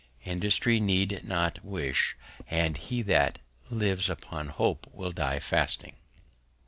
_ _Industry need not wish, and he that lives upon Hope will die fasting.